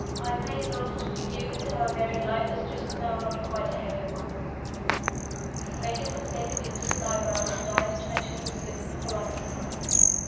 I may acknowledge to you that our married life is just now not quite a happy one." Major Fitz David lifted his eyebrows (dyed to match his whiskers) in polite surprise.